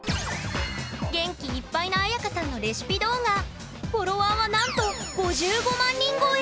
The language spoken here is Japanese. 元気いっぱいなあやかさんのレシピ動画フォロワーはなんと５５万人超え！